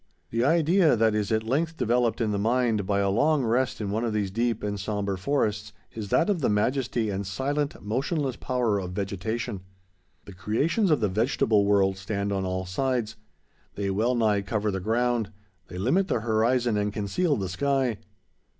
The idea that is at length developed in the mind, by a long rest in one of these deep and sombre forests, is that of the majesty, and silent, motionless power of vegetation. The creations of the vegetable world stand on all sides. They wellnigh cover the ground; they limit the horizon, and conceal the sky.